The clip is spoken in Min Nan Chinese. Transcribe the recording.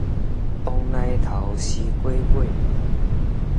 王梨頭，西瓜尾